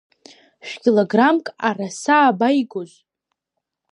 Шә-килограммк араса абаигоз?